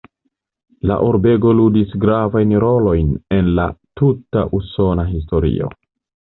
La urbego ludis gravajn rolojn en la tuta usona historio.